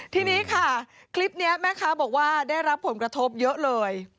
ทีนี้ค่ะคลิปนี้แม่ค้าบอกว่าได้รับผลกระทบเยอะเลย